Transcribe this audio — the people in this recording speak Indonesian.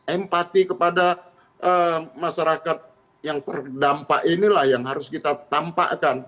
empati kepada masyarakat yang terdampak inilah yang harus kita tampakkan